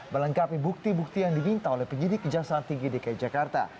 melengkapi bukti bukti yang diminta oleh penyidik kejaksaan tinggi dki jakarta